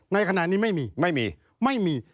ในขณะนี้ไม่มีไม่มี